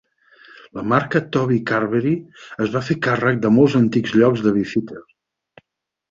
La marca Toby Carvery es va fer càrrec de molts antics llocs de Beefeater.